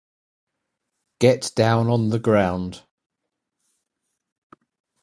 Get down on the ground.